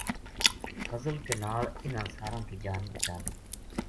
فضل کے نال اِنھ ساراں کی جان بچا لئی